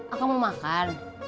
aku mau makan